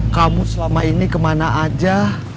kamu selama ini kemana aja